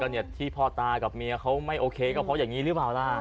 เนี่ยที่พ่อตากับเมียเขาไม่โอเคก็เพราะอย่างนี้หรือเปล่าล่ะ